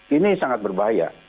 ini sangat berbahaya